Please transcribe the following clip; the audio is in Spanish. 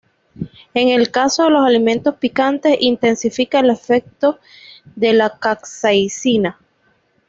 En el caso de los alimentos picantes intensifica el efecto de la capsaicina.